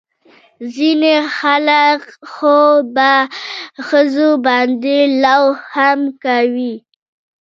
ځينې خلق خو په ښځو باندې لو هم کوي.